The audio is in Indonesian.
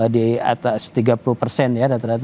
di atas tiga puluh ya